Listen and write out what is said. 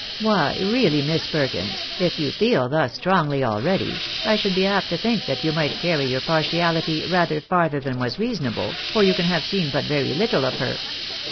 " Why, really, Miss Perkins, if you feel thus strongly already, LOVE AND BEAUTY IN INVERSE KATIO. 107 I should be apt to think that you might carry your partiahty rather farther than was reasonable, for you can have seen but a very little of her."